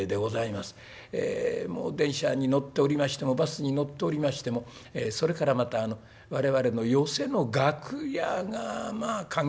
電車に乗っておりましてもバスに乗っておりましてもそれからまた我々の寄席の楽屋が換気をというんですかね